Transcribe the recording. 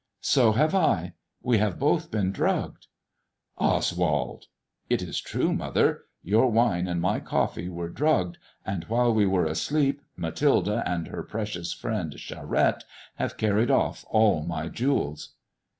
" So have I. We have both been drugged." Oswald 1 "It is true, mother. Your wine and my coffee were drugged, and while we were asleep, Mathilde and her precious friend, Oharette, have carried off all my jewels."